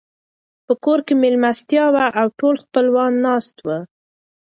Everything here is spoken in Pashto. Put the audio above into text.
په کور کې مېلمستيا وه او ټول خپلوان ناست وو.